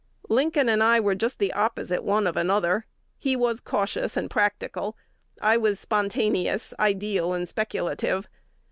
Lincoln and I were just the opposite one of another. He was cautious and practical; I was spontaneous, ideal, and speculative.